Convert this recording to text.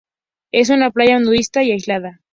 Es una playa nudista y aislada.